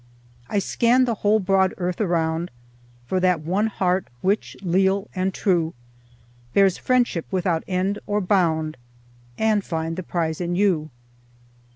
....... I scan the whole broad earth around For that one heart which, leal and true, Bears friendship without end or bound, And find the prize in you.